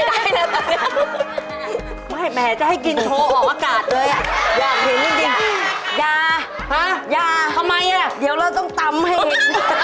เดี๋ยวเราต้องตำให้